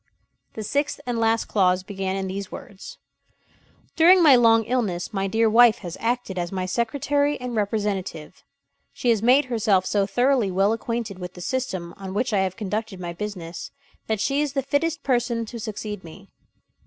The sixth and last clause began in these words: "During my long illness, my dear wife has acted as my secretary and representative. She has made herself so thoroughly well acquainted with the system on which I have conducted my business, that she is the fittest person to succeed me.